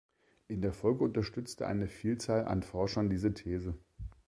In der Folge unterstützte eine Vielzahl an Forschern diese These.